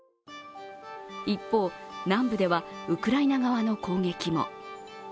一方、南部ではウクライナ側の攻撃も。